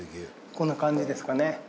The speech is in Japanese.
こんな感じですかね